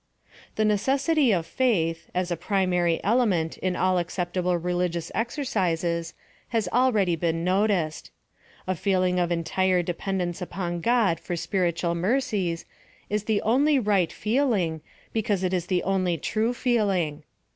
The necessity of faith, as a primary element in ail acceptable religious exercises has already been no ticed. A feeling of entire dependence upon God for spiritual mercies is the only right feeling, because it is the only true feeling.